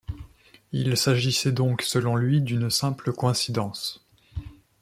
Il s'agissait donc selon lui d'une simple coïncidence.